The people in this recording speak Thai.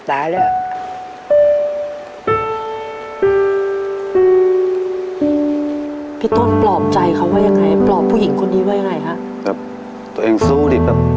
ตัวเองสู้ดิ